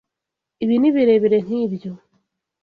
Ibi ni birebire nkibyo.